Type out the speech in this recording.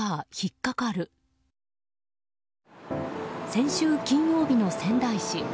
先週金曜日の仙台市。